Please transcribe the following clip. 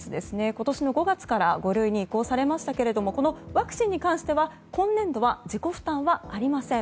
今年の５月から５類に移行されましたがこのワクチンに関しては今年度は自己負担はありません。